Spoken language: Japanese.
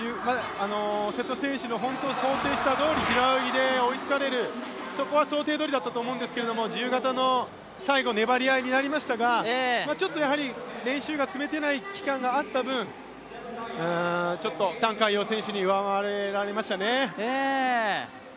瀬戸選手の想定したとおり、平泳ぎで追いつかれる、そこは想定どおりだったと思うんですけど自由形の最後粘り合いになりましたが、練習が積めていない期間があった分覃海洋選手に上回られましたね。